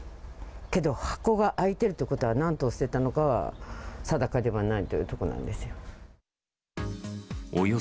けど、箱が開いてるってことは、何頭捨てたのかは定かではないということなんですよ。